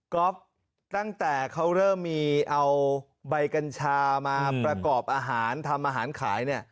อล์ฟตั้งแต่เขาเริ่มมีเอาใบกัญชามาประกอบอาหารทำอาหารขายเนี่ย